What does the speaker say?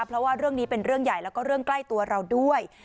เพราะว่าเรื่องนี้เป็นเรื่องใหญ่แล้วก็เรื่องใกล้ตัวเราด้วย